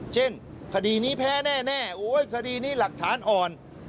เช่นคดีนี้แพ้แน่โอ้ยคดีนี้หลักฐานอ่อน